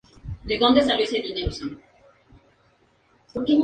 Tiene una composición nominal similar a las hablas costeñas, v.g.